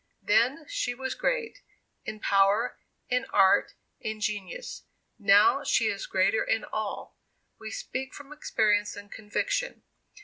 Then she was great in power in art in genius; now she is greater in all. We speak from experience and conviction.